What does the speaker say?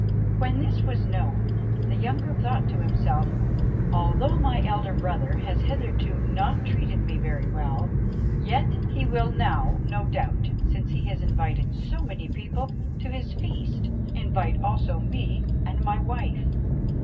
When this was known, the younger thought to himself, 'Although my elder brother has hitherto not treated me very well, yet he will now, no doubt, since he has invited so many people to his feast, invite also me and my wife.'